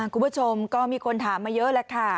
คุณผู้ชมก็มีคนถามมาเยอะแหละค่ะ